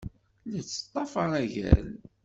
La tettḍafar agal.